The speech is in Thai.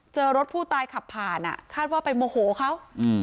เจอรถผู้ตายขับผ่านคาดว่าไปโมโหเขา